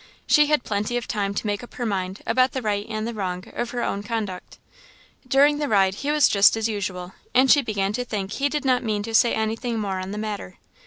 She had plenty of time to make up her mind about the right and the wrong of her own conduct. During the ride he was just as usual, and she began to think he did not mean to say anything more on the matter.